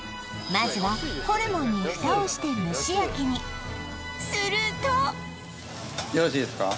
まずはホルモンに蓋をして蒸し焼きにするとよろしいですか？